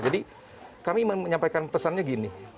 jadi kami menyampaikan pesannya gini